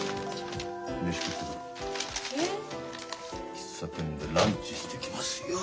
喫茶店でランチしてきますよ。